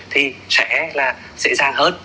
thì sẽ là dễ dàng hơn